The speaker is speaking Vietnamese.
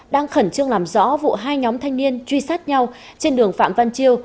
đang khẩn trương làm rõ vụ hai nhóm thanh niên truy sát nhau trên đường phạm văn chiêu